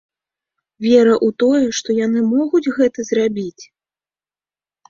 Вера ў тое, што яны могуць гэта зрабіць?